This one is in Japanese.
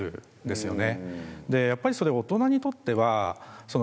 やっぱりそれ大人にとっては。